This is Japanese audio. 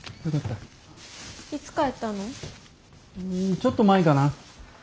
ちょっと前かな。